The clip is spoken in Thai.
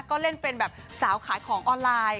ก็เล่นเป็นแบบสาวขายของออนไลน์